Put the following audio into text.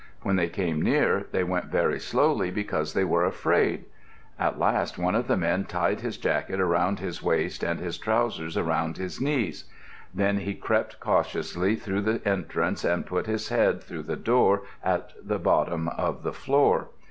When they came near, they went very slowly because they were afraid. At last one of the men tied his jacket around his waist and his trousers around his knees. Then he crept cautiously through the entrance and put his head through the door at the bottom of the floor.